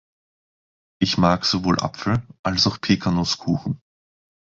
Ich mag sowohl Apfel- als auch Pecannusskuchen.